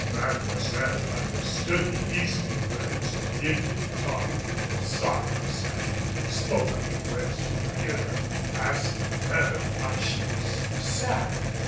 Mademoiselle understood the easier words of the Indian tongue and their signs, and spoke a few words to Maheera asking her why she was sad.